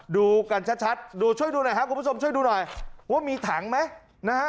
ดูกันชัดดูช่วยดูหน่อยครับครับผู้ชมดูหน่อยว่ามีถังไหม